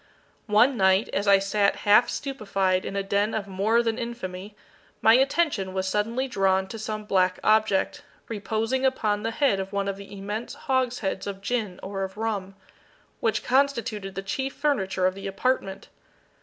One night, as I sat half stupefied in a den of more than infamy, my attention was suddenly drawn to some black object, reposing upon the head of one of the immense hogsheads of gin or of rum, which constituted the chief furniture of the apartment.